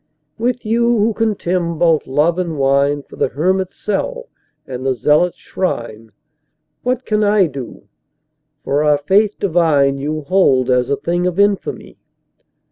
With you, who contemn both love and wine2 for the hermit's cell and the zealot's shrine, What can I do, for our Faith divine you hold as a thing of infamy?